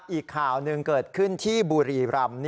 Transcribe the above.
อีกข่าวหนึ่งเกิดขึ้นที่บุรีรำ